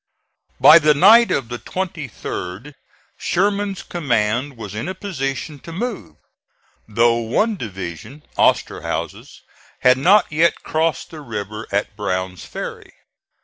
By the night of the 23d Sherman's command was in a position to move, though one division (Osterhaus's) had not yet crossed the river at Brown's Ferry.